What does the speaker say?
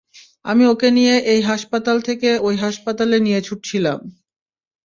আমি ওকে নিয়ে এই হাসপাতাল থেকে ওই হাসপাতালে নিয়ে ছুটছিলাম।